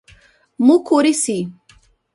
Mucurici